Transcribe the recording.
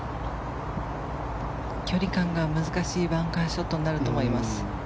距離感が難しいバンカーショットになると思います。